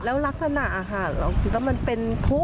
แล้วลักษณะอาหารหรือว่ามันเป็นพรุ